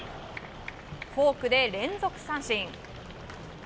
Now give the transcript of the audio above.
フォークで連続三振。